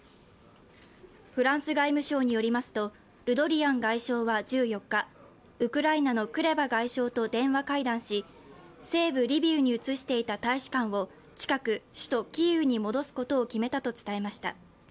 フランス外務省によりますとルドリアン外相は１４日、ウクライナのクレバ外相と電話会談し西部リビウに移していた大使館を近く、首都キーウに戻すことを決めたと伝えました。